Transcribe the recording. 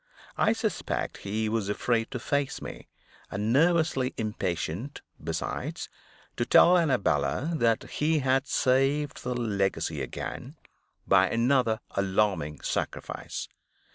I suspect he was afraid to face me, and nervously impatient, besides, to tell Annabella that he had saved the legacy again by another alarming sacrifice.